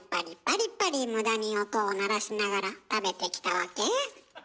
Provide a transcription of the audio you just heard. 無駄に音を鳴らしながら食べてきたわけ？